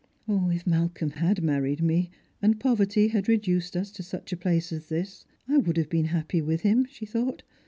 " If Malcolm had married me, and poverty had reduced us to Buch place as this, I would have been happy with him," she thought.